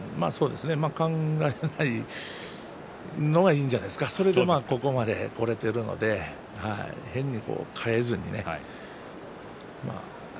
考えないのがいいんじゃないですかそれでここまでこられているので変に変えずに。